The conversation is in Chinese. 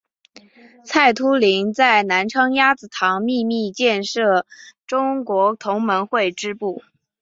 蔡突灵在南昌鸭子塘秘密设立中国同盟会支部。